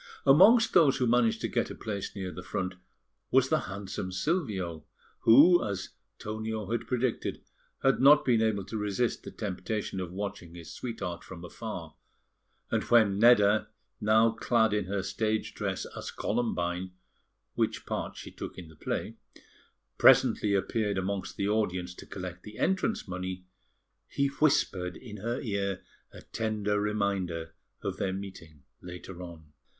Amongst those who managed to get a place near the front was the handsome Silvio, who, as Tonio had predicted, had not been able to resist the temptation of watching his sweetheart from afar; and when Nedda, now clad in her stage dress as Columbine (which part she took in the play) presently appeared amongst the audience to collect the entrance money, he whispered in her ear a tender reminder of their meeting later on.